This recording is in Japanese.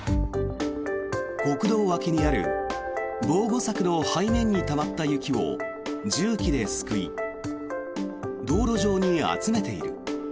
国道脇にある防護柵の背面にたまった雪を重機ですくい道路上に集めている。